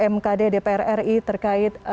mkd dpr ri terkait